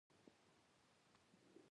احمد د سعید لودی زوی دﺉ.